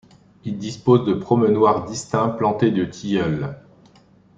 Ils disposent de promenoirs distincts, plantés de tilleuls.